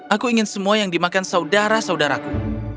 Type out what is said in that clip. aku ingin semua yang dimakan saudara saudaraku